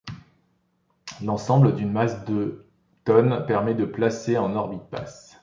L'ensemble d'une masse de tonnes permet de placer en orbite basse.